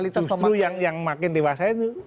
justru yang makin dewasa itu